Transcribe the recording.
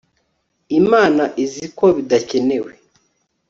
imana izi ko bidakenewe